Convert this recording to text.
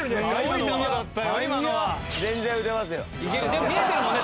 でも見えてるもんね？